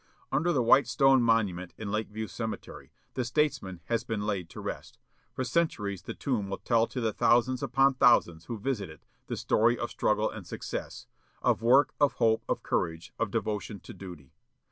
Under the white stone monument in Lake View Cemetery, the statesman has been laid to rest. For centuries the tomb will tell to the thousands upon thousands who visit it the story of struggle and success; of work, of hope, of courage, of devotion to duty.